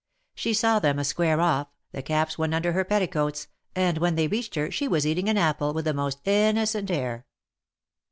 She saw them a square off, the caps went under her petticoats, and when they reached her she was eating an apple with the most innocent air.